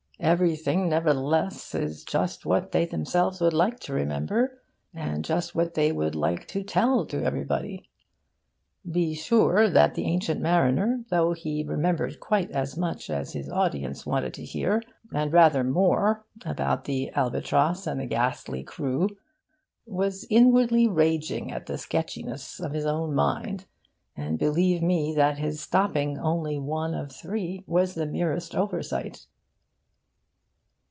Everything, nevertheless, is just what they themselves would like to remember, and just what they would like to tell to everybody. Be sure that the Ancient Mariner, though he remembered quite as much as his audience wanted to hear, and rather more, about the albatross and the ghastly crew, was inwardly raging at the sketchiness of his own mind; and believe me that his stopping only one of three was the merest oversight.